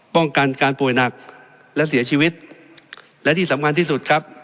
ป้องกันการป่วยหนักและเสียชีวิตและที่สำคัญที่สุดครับ